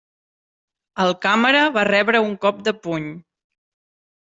El càmera va rebre un cop de puny.